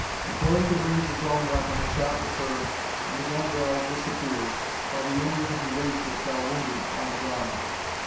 Before he could raise his own weapon a shot was heard and the gun barrel disappeared, while the Indian who raised it fell wounded on the ground.